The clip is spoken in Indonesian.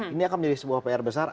ini akan menjadi sebuah pr besar